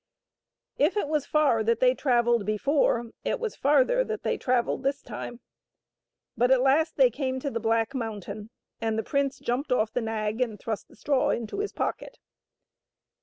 If it was far that they travelled before, it was farther that they travelled this time. But at last they came to the black mountain, and the prince jumped oflF the nag and thrust the straw into his pocket.